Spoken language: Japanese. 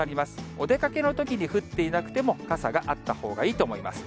お出かけのときに降っていなくても、傘があったほうがいいと思います。